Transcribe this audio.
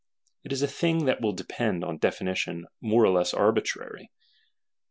It is a thing that will depend on definition more or less arbitrary.